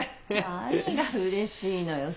何がうれしいのよ？